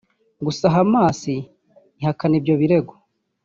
Gusa Hamas ihakana ibyo birego